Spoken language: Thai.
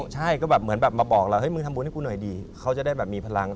ใช่เหมือนแบบมาบอกว่าทำบุญให้กูหน่อยดีเขาจะได้มีพลัง